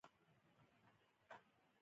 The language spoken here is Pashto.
کرکټ په افغانستان کې مینه وال لري